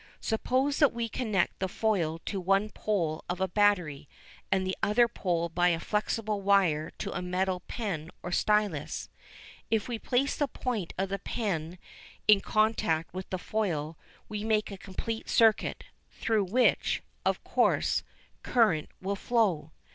Suppose that we connect the foil to one pole of a battery, and the other pole by a flexible wire to a metal pen or stylus. If we place the point of the pen in contact with the foil, we make a complete circuit, through which, of course, current will flow.